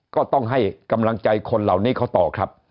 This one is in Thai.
ก็ต้องให้กำลังใจคนเหล่านี้เขาต่อครับ